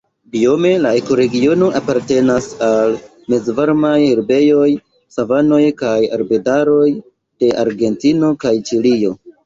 Biome la ekoregiono apartenas al mezvarmaj herbejoj, savanoj kaj arbedaroj de Argentino kaj Ĉilio.